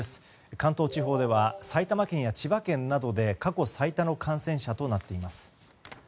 関東地方では埼玉県や千葉県などで過去最多の感染者となっています。